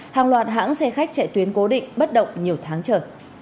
hàng loạt hãng xe khách chạy tuyến cố định bất động nhiều tháng trở